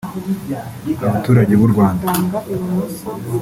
abaturage b’u Rwanda